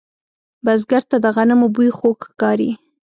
بزګر ته د غنمو بوی خوږ ښکاري